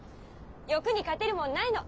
欲に勝てるもんないの！